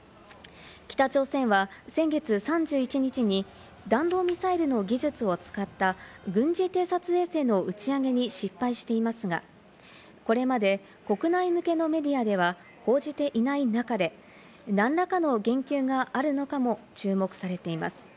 北朝鮮は先月３１日に、弾道ミサイルの技術を使った軍事偵察衛星の打ち上げに失敗していますが、これまで国内向けのメディアでは報じていない中で、何らかの言及があるのかも注目されています。